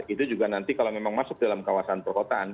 itu juga nanti kalau memang masuk dalam kawasan perkotaan